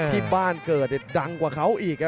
ที่บ้านเกิดดังกว่าเขาอีก